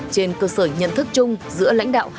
trên cơ sở nhận thức chung giữa lãnh đạo